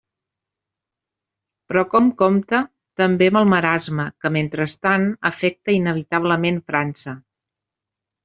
Però que hom compte també amb el marasme que, mentrestant, afecta inevitablement França.